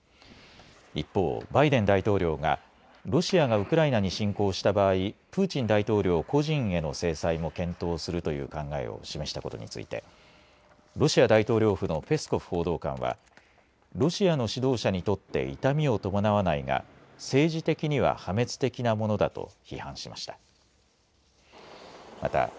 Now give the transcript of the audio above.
一方、バイデン大統領がロシアがウクライナに侵攻した場合プーチン大統領個人への制裁も検討するという考えを示したことについてロシア大統領府のペスコフ報道官はロシアの指導者にとって痛みを伴わないが政治的には破滅的なものだと批判しました。